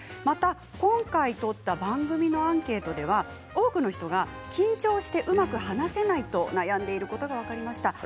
今回取った番組のアンケートでは、多くの人が緊張してうまく話せないと悩んでいることが分かりました。